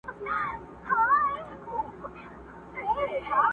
ته خبر نه وي ما سندري درته کړلې اشنا!.